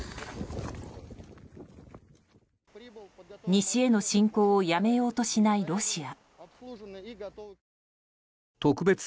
西への侵攻をやめようとしないロシア。